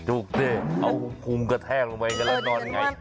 จุกด้วยเอาคลุมกระแท่ลงไปกันเนี่ย